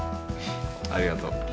ありがとう。